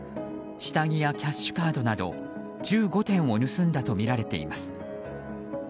下着やキャッシュカードなど１５点を盗んだとみられています。